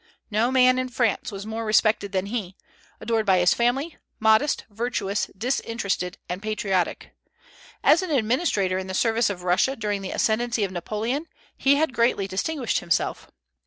No man in France was more respected than he, adored by his family, modest, virtuous, disinterested, and patriotic. As an administrator in the service of Russia during the ascendency of Napoleon, he had greatly distinguished himself.